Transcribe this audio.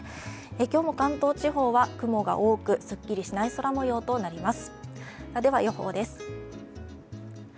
今日も関東地方は雲が多くすっきりしない空もようとなります。